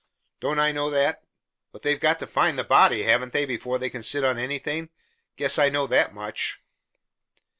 "Don't I know that? But they've got to find the body, haven't they, before they can sit on anything? Guess I know that much."